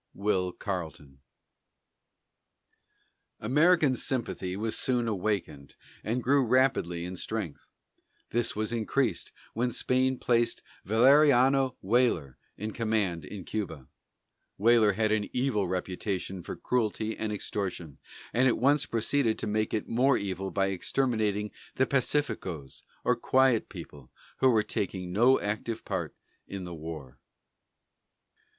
WILL CARLETON. American sympathy was soon awakened, and grew rapidly in strength. This was increased when Spain placed Valeriano Weyler in command in Cuba. Weyler had an evil reputation for cruelty and extortion, and at once proceeded to make it more evil by exterminating the "pacificos," or quiet people who were taking no active part in the war.